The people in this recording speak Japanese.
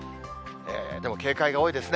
でも警戒が多いですね。